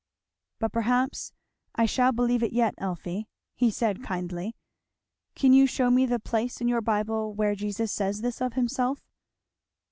"But perhaps I shall believe it yet, Elfie," he said kindly. "Can you shew me the place in your Bible where Jesus says this of himself?"